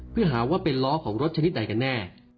เพื่อหาว่าเป็นล้อของรถชนิดใดกันแน่